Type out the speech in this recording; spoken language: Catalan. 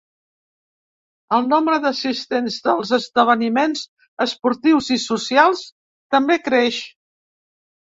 El nombre d’assistents dels esdeveniments esportius i socials també creix.